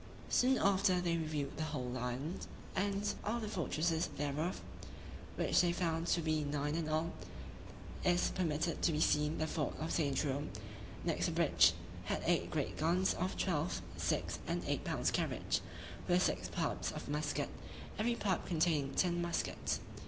Soon after they reviewed the whole island, and all the fortresses thereof, which they found to be nine in all, viz., the fort of St. Jerome, next the bridge, had eight great guns, of twelve, six, and eight pounds carriage; with six pipes of muskets, every pipe containing ten muskets.